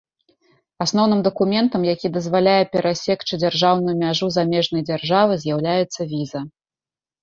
Асноўным дакументам, якія дазваляе перасекчы дзяржаўную мяжу замежнай дзяржавы, з'яўляецца віза.